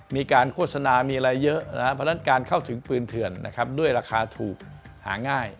มีการโฆษณามีอะไรเยอะนะครับเพราะฉะนั้นการเข้าถึงปืนเถื่อนนะครับด้วยราคาถูกหาง่าย